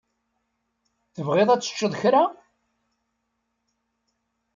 Tebɣiḍ ad teččeḍ kra?